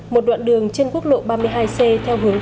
một đoạn đường trên quốc lộ ba mươi hai c theo hướng